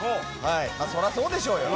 そらそうでしょうよ。